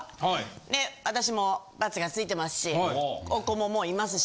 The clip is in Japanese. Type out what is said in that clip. で私もバツがついてますしお子ももういますし。